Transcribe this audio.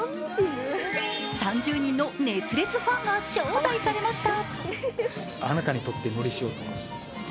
３０人の熱烈ファンが招待されました。